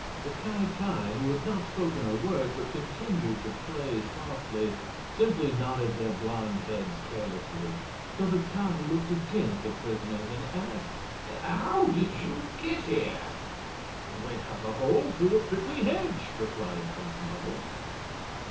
The Ki Ki, who had not spoken a word but continued to play softly, simply nodded their blond heads carelessly; so the Ki looked again at the prisoners and asked: "How did you get here?" "We cut a hole through the prickly hedge," replied Prince Marvel.